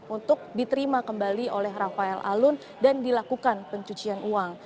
untuk diterima kembali oleh rafael alun dan dilakukan pencucian uang